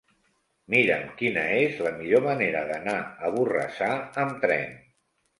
Mira'm quina és la millor manera d'anar a Borrassà amb tren.